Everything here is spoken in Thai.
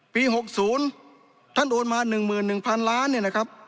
๖๐ท่านโอนมา๑๑๐๐๐ล้านเนี่ยนะครับ